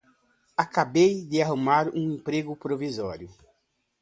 Acabei de arrumar um emprego provisório.